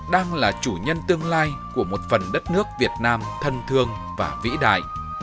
đang là chủ nhân tương lai của một phần đất nước việt nam thân thương và vĩ đại